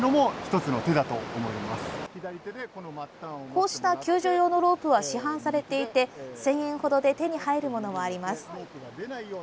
こうした救助用のロープは市販されていて１０００円ほどで手に入るものもあります。